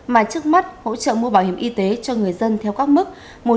mà trước mắt hỗ trợ mua bảo hiểm y tế cho người dân theo các mức